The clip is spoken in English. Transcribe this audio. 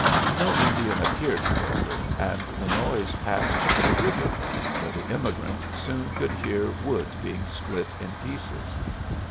No Indian appeared, however, and the noise passed to the river, where the emigrants soon could hear wood being split in pieces.